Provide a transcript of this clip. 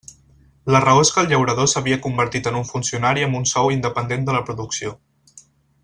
La raó és que el llaurador s'havia convertit en un funcionari amb un sou independent de la producció.